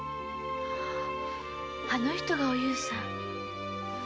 あの人がお夕さん。